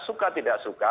suka tidak suka